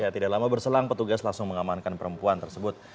tidak lama berselang petugas langsung mengamankan perempuan tersebut